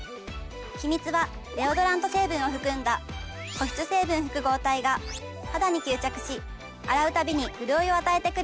秘密はデオドラント成分を含んだ保湿成分複合体が肌に吸着し洗うたびに潤いを与えてくれるんです。